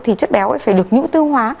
thì chất béo ấy phải được nhũ tiêu hóa